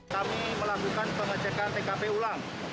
kami melakukan pengecekan tkp ulang